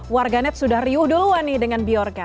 warganet sudah riuh duluan nih dengan biorca